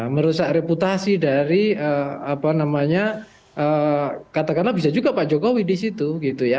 merusak reputasi dari apa namanya katakanlah bisa juga pak jokowi di situ gitu ya